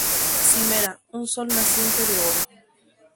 Cimera: un sol naciente de oro.